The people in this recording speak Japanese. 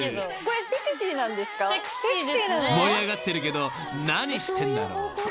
［盛り上がってるけど何してんだろう？］